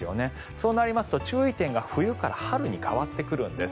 そうなりますと注意点が冬から春に変わってくるんです。